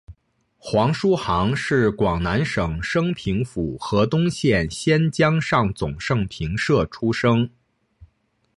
黄叔沆是广南省升平府河东县仙江上总盛平社出生。